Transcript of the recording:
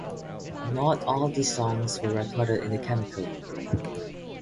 Not all the songs were recorded in Chemical.